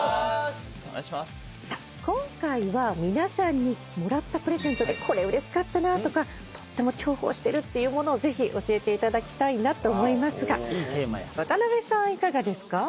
今回は皆さんにもらったプレゼントでこれうれしかったなとかとっても重宝してるっていうものをぜひ教えていただきたいなと思いますが渡辺さんいかがですか？